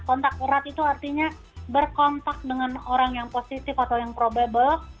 kontak erat itu artinya berkontak dengan orang yang positif atau yang probable